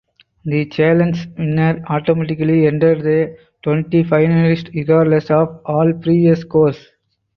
The challenge winner automatically entered the twenty finalists regardless of all previous scores.